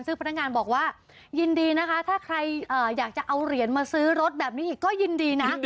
ซึ่งพนักงานบอกว่ายินดีนะคะถ้าใครอยากจะเอาเหรียญมาซื้อรถแบบนี้อีกก็ยินดีนะ